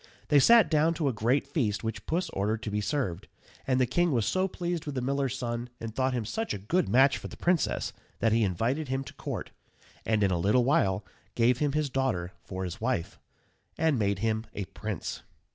They sat down to a great feast, which Puss ordered to be served, and the king was so pleased with the miller's son and thought him such a good match for the princess, that he invited him to court, and in a little while gave him his daughter for his wife, and made him a prince. [Illustration: MARRIAGE OF THE MARQUIS AND PRINCESS.